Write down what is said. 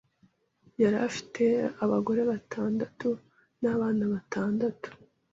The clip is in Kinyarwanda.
Yari afite abagore batandatu n’abana batandatu